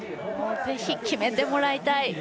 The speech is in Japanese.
ぜひ決めてもらいたい！